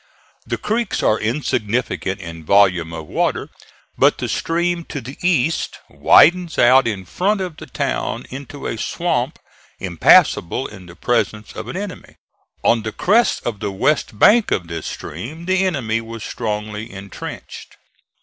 The creeks are insignificant in volume of water, but the stream to the east widens out in front of the town into a swamp impassable in the presence of an enemy. On the crest of the west bank of this stream the enemy was strongly intrenched.